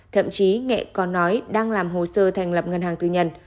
thậm chí nghệ còn nói đang làm hồ sơ thành lập ngân hàng tư nhân